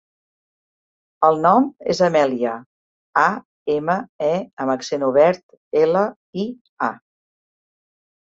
El nom és Amèlia: a, ema, e amb accent obert, ela, i, a.